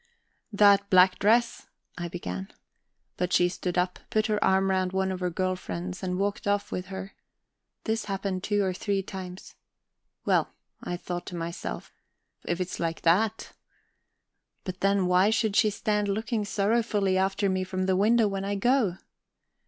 "That black dress..." I began. But she stood up, put her arm round one of her girl friends, and walked off with her. This happened two or three times. Well, I thought to myself, if it's like that... But then why should she stand looking sorrowfully after me from the window when I go?